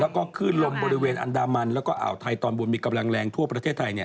แล้วก็ขึ้นลมบริเวณอันดามันแล้วก็อ่าวไทยตอนบนมีกำลังแรงทั่วประเทศไทย